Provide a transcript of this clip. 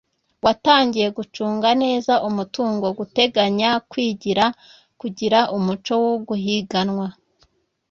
watangiye, gucunga neza umutungo, guteganya, kwigira, kugira umuco wo guhiganwa